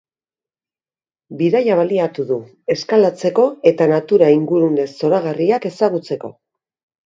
Bidaia baliatu du eskalatzeko eta natura ingurune zoragarriak ezagutzeko.